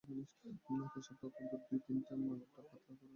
তাই সপ্তাহে অত্যন্ত দুই দিন মাল্টা পাতলা করে কেটে মুখে ঘষে নিন।